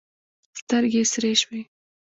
سترګې یې سرې شوې.